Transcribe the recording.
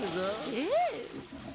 ええ。